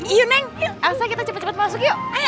iya neng asal kita cepet cepet masuk yuk ayo